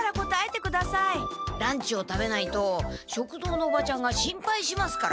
ランチを食べないと食堂のおばちゃんが心配しますから。